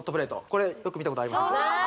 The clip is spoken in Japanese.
これよく見たことありますよねああ